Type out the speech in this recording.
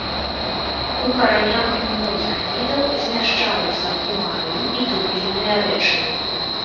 У каранях многіх відаў змяшчаюцца кумарын і дубільныя рэчывы.